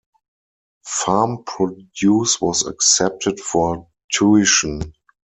Farm produce was accepted for tuition.